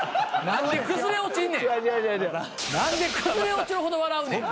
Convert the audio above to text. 何で崩れ落ちるほど笑うねん。